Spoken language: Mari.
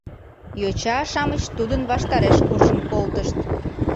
Йоча-шамыч тудын ваштареш куржын колтышт.